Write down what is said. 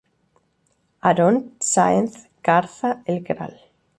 Aarón Sáenz Garza, el Gral.